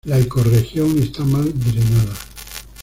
La ecorregión está mal drenada.